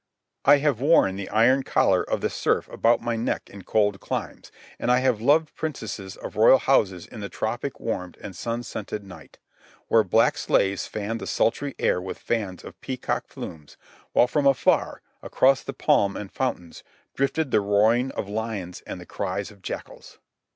I have worn the iron collar of the serf about my neck in cold climes; and I have loved princesses of royal houses in the tropic warmed and sun scented night, where black slaves fanned the sultry air with fans of peacock plumes, while from afar, across the palm and fountains, drifted the roaring of lions and the cries of jackals.